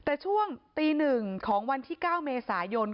แต่ช่วงตี๑ของวันที่๙เมษายน